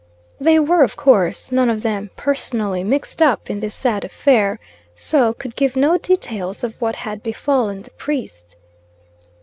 They were, of course, none of them personally mixed up in this sad affair, so could give no details of what had befallen the priest.